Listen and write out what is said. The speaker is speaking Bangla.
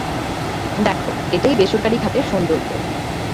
দেখো, এটাই বেসরকারি খাতের সৌন্দর্য।